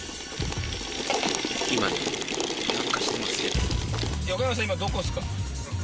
今どこっすか？